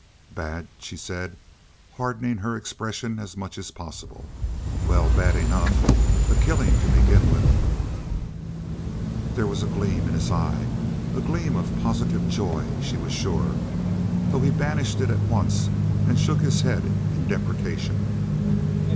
"Bad?" she said, hardening her expression as much as possible. "Well, bad enough. A killing to begin with." There was a gleam in his eyes a gleam of positive joy, she was sure, though he banished it at once and shook his head in deprecation.